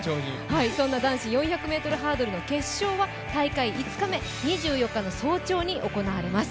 そんな男子４００ｍハードルの決勝は大会５日目、２４日の早朝に行われます。